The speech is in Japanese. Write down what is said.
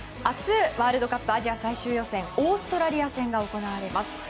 明日、ワールドカップアジア最終予選オーストラリア戦が行われます。